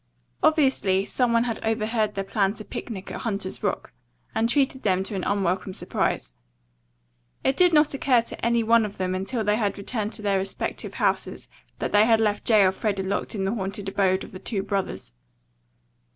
Obviously some one had overheard their plan to picnic at Hunter's Rock and treated them to an unwelcome surprise. It did not occur to any one of them until they had returned to their respective houses that they had left J. Elfreda locked in the haunted abode of the two brothers.